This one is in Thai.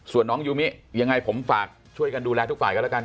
ส่วนน้องยูมิยังไงผมฝากช่วยกันดูแลทุกฝ่ายกันแล้วกัน